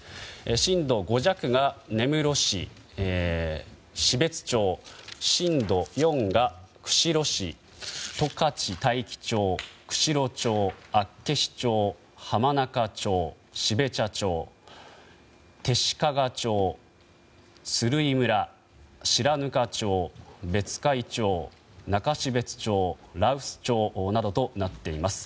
震度５弱が根室市標津町震度４が釧路市、十勝大樹町釧路町、厚岸町、浜中町標茶町弟子屈町、鶴居村白糠町、別海町、中標津町羅臼町などとなっています。